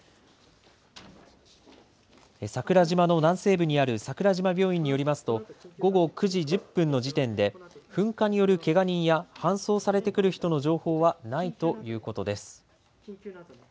桜島の南西部にある桜島病院によりますと午後９時１０分の時点で、噴火によるけが人や搬送されてくる人の情報はないということです。